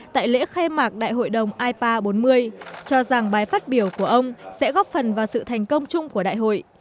tại lễ khai mạc đại hội đồng ipa bốn mươi cho rằng bài phát biểu của ông sẽ góp phần vào sự thành công chung của đại hội